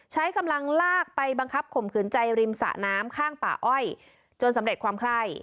ใช้กำลังลากไปบังคับข่มขืนใจริมสะน้ำข้างป่าอ้อยจนสำเร็จความไคร่